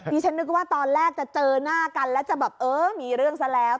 ฉันนึกว่าตอนแรกจะเจอหน้ากันแล้วจะแบบเออมีเรื่องซะแล้ว